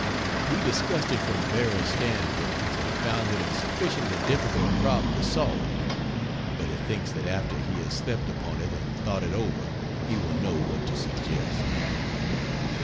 We discussed it from various standpoints, and found it a sufficiently difficult problem to solve; but he thinks that after he has slept upon it and thought it over he will know what to suggest.